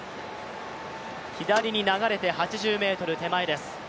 左に流れて８０ｍ手前です。